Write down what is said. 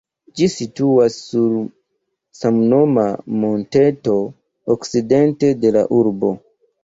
Ĝi situas sur samnoma monteto, okcidente de la urbo.